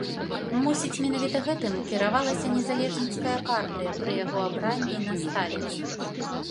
Мусіць, менавіта гэтым кіравалася незалежніцкая партыя пры яго абранні на сталец.